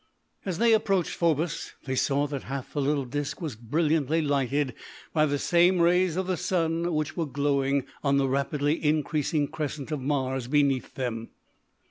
As they approached Phobos they saw that half the little disc was brilliantly lighted by the same rays of the sun which were glowing on the rapidly increasing crescent of Mars beneath them.